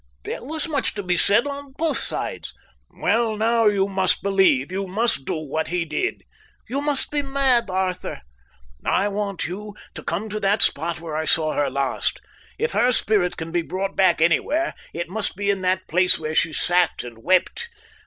There was much to be said on both sides." "Well, now you must believe. You must do what he did." "You must be mad, Arthur." "I want you to come to that spot where I saw her last. If her spirit can be brought back anywhere, it must be in that place where she sat and wept.